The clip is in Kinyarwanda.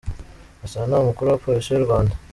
Gasana, Umukuru wa Polisi y’u Rwanda.